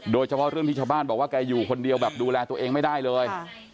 โดยเฉพาะเรื่องที่ชาวบ้านบอกว่าแกอยู่คนเดียวแบบดูแลตัวเองไม่ได้เลย